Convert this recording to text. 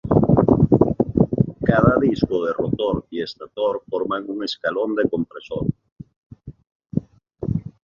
Cada disco de rotor y estator forman un escalón de compresor.